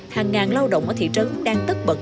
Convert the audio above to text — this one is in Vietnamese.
hàng ngàn lao động ở thị trấn đang tất bật